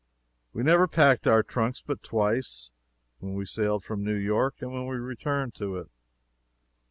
We never packed our trunks but twice when we sailed from New York, and when we returned to it.